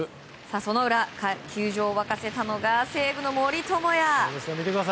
その裏球場を沸かせたのが西武の森友哉。